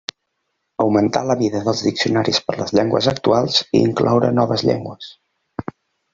Augmentar la mida dels diccionaris per les llengües actuals, i incloure noves llengües.